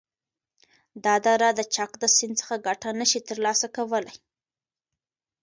دا دره د چک د سیند څخه گټه نشی تر لاسه کولای،